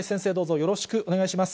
よろしくお願いします。